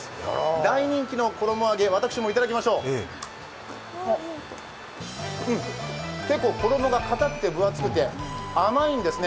大人気の衣揚げ、私も頂きましょう結構、衣が固くて分厚くて甘いんですね。